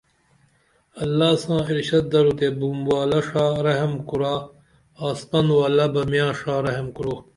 اللہ ساں ارشاد درو تے بی بُم والہ ڜا رحم کُرا آسمن والہ بہ میاں ڜا رحم کُرو